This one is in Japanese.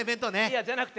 じゃなくて。